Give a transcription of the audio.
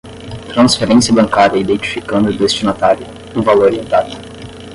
Transferência bancária identificando o destinatário, o valor e a data.